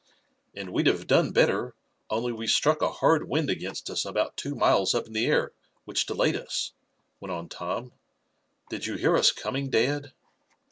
"And we'd have done better, only we struck a hard wind against us about two miles up in the air, which delayed us," went on Tom. "Did you hear us coming, dad?"